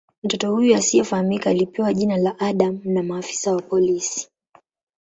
Mtoto huyu asiyefahamika alipewa jina la "Adam" na maafisa wa polisi.